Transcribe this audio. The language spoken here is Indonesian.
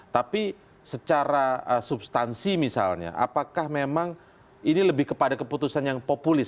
tapi secara substansi misalnya apakah memang ini lebih kepada keputusan yang populis